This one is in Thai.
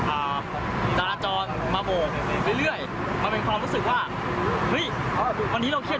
อ่าจราจรมาโบกเรื่อยเรื่อยมันเป็นความรู้สึกว่าเฮ้ยวันนี้เราเข้ม